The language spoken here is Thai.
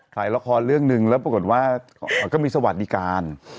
ถ่ายละครเรื่องหนึ่งแล้วปรากฏว่าก็มีสวัสดิการ